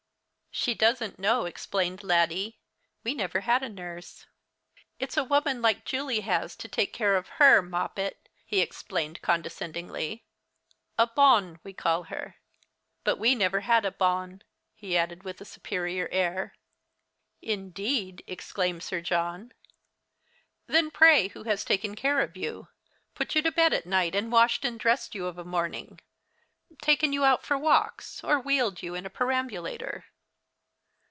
"She doesn't know," explained Laddie: "we never had a nurse. It's a woman like the one Julie has to take care of her, Moppet," he explained, condescendingly, "a bonne we call her. But we've never had a bonne" he added, with a superior air. "Indeed?" exclaimed Sir John, "then pray who has taken care of you, put you to bed at night, and washed and dressed you of a morning, taken you out for walks, or wheeled you in a perambulator?"